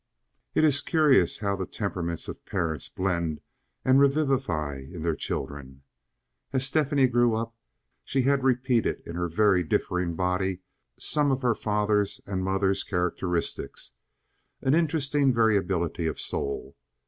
It is curious how the temperaments of parents blend and revivify in their children. As Stephanie grew up she had repeated in her very differing body some of her father's and mother's characteristics—an interesting variability of soul.